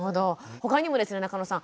ほかにもですね中野さん